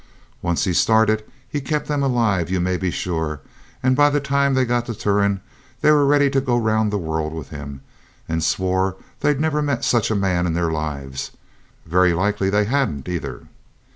Once he started he kept them alive, you may be sure, and by the time they got to Turon they were ready to go round the world with him, and swore they'd never met such a man in their lives very likely they hadn't, either.